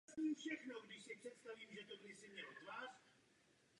Svou podobu hra získala ve starém Římě.